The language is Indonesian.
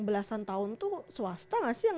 belasan tahun tuh swasta gak sih yang